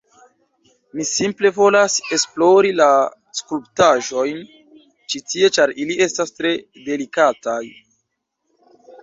Mi simple volas esplori la skulptaĵojn ĉi tie ĉar ili estas tre delikataj